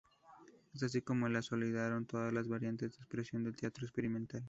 Es así como se consolidaron todas las variantes de expresión del teatro experimental.